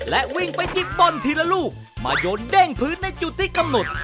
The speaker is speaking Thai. และวิ่งไปหยิบบอลทีละลูกมาโยนเด้งพื้นในจุดที่กำหนด